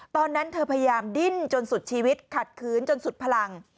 ตอนนั้นเธอพยายามดิ้นจนสุดชีวิตขัดขืนจนสุดพลัง